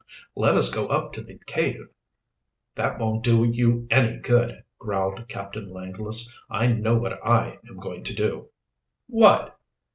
"Let us go up to the cave." "That won't do you any good," growled Captain Langless. "I know what I am going to do." "What?"